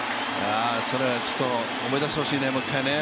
それ、思い出してほしいね、もう一回ね。